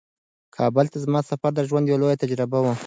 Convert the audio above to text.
کابل ته زما سفر زما د ژوند یوه لویه تجربه وه.